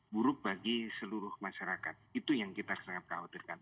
buruk bagi seluruh masyarakat itu yang kita sangat khawatirkan